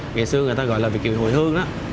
ngày xưa người ta gọi là việc kiều hội hương đó